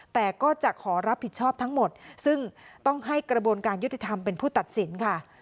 แต่ก็จะขอรับผิดชอบทั้งหมดซึ่งต้องให้กระบวนการยุติธรรมเป็นผู้ตัดสินค่ะ